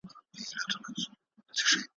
په انارګل کي چي د سرومیو پیالې وي وني ,